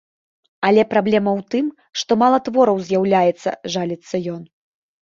Але праблема ў тым, што мала твораў з'яўляецца, жаліцца ён.